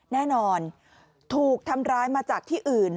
แน่นอนถูกทำร้ายมาจากที่อื่น